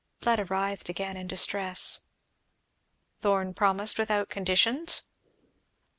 Fleda writhed again in distress. "Thorn promised without conditions?"